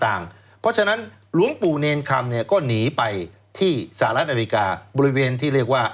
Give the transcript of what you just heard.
เพราะฉะนั้นหลวงปู่เนรคำเนี่ยก็หนีไปที่สหรัฐอเมริกาบริเวณที่เรียกว่า